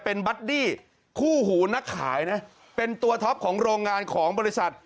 เป็นบัดดี้คู่หูนักขายนะเป็นตัวท็อปของโรงงานของบริษัท